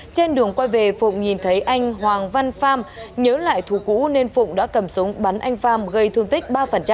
trên đường quay về phụng nhìn thấy anh hoàng văn pham nhớ lại thú cũ nên phụng đã cầm súng bắn anh pham gây thương tích ba